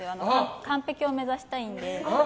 完璧を目指したいので。